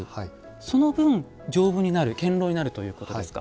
その分丈夫になる堅ろうになるということですか？